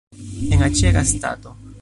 En aĉega stato!